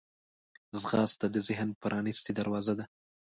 ځغاسته د ذهن پرانستې دروازې ده